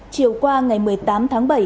chiều qua ngày một mươi tám tháng bảy